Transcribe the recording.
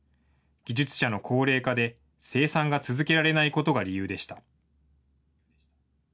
技術者の高齢化で、生産が続けられないことが理由でした。